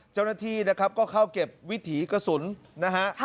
เจ้าหน้าที่นะครับก็เข้าเก็บวิถีกระสุนนะฮะ